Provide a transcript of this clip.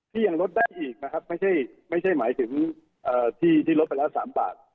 ยังลดได้อีกนะครับไม่ใช่หมายถึงที่ที่ลดไปแล้ว๓บาท